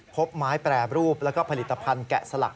พบไม้แปรรูปแล้วก็ผลิตภัณฑ์แกะสลัก